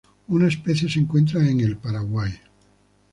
Una especie se encuentra en el Paraguay.